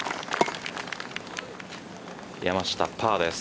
山下パーです。